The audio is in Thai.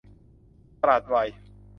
ตลาดวาย